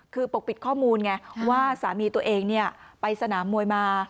คือปกปิดข้อมูลไงว่าสามีตัวเองไปสนามมวยมา